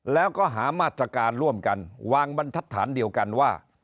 แล้วก็หามาตรการร่วมกันวางบรรทัศน์เดียวกันว่า